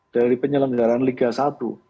dari penyelenggaran liga satu